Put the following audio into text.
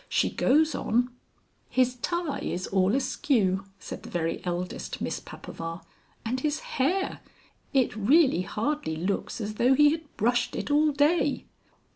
She goes on " "His tie is all askew," said the very eldest Miss Papaver, "and his hair! It really hardly looks as though he had brushed it all day."